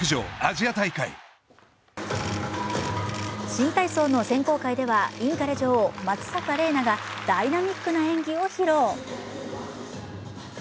新体操の選考会ではインカレ女王・松坂玲奈がダイナミックな演技を披露。